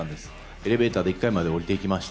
エレベーターで１階までおりてきました。